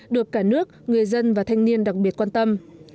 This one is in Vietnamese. được cả nước người dân và thanh niên đặc biệt quan tâm